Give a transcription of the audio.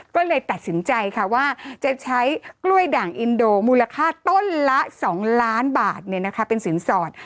ก็เลยตัดสินใจค่ะว่าจะใช้กล้วยด่างอินโดมูลค่าต้นละ๒ล้านบาทเป็นสินสอด